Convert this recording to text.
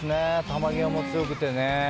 球際も強くてね。